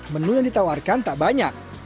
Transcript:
menu yang ditawarkan tak banyak